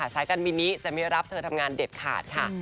สายการบินนี้จะไม่รับเธอทำงานเด็ดขาดค่ะ